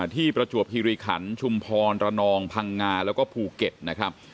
ประจวบคิริขันชุมพรระนองพังงาแล้วก็ภูเก็ตนะครับ